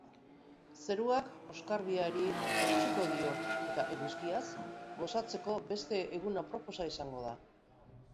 Zeruak oskarbiari eutsiko dio, eta eguzkiaz gozatzeko beste egun aproposa izango da.